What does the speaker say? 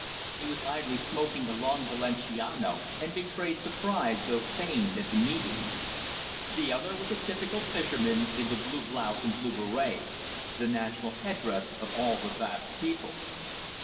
He was idly smoking a long valenciano, and betrayed surprise, though feigned, at the meeting. The other was a typical fisherman in the blue blouse and blue beret, the national headdress of all the Basque people.